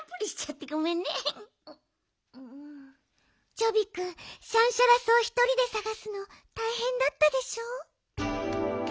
チョビくんシャンシャラ草ひとりでさがすのたいへんだったでしょう？